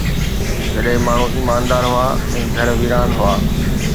جڏهن ماڻهو ايماندار هئا ۽ گهر ويران هئا